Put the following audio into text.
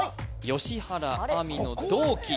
良原安美の同期